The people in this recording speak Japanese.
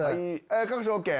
各所ＯＫ？